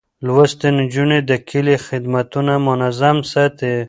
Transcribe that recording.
لوستې نجونې د کلي خدمتونه منظم ساتي.